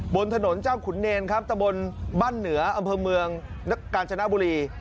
บนถนนเจ้าขุนเนรครับตะบนบ้านเหนืออำเภอเมืองกาญจนบุรี